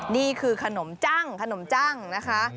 นี่คือขนมจังขนมจังนะคะ